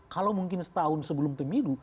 kalau mungkin setahun sebelum pemilu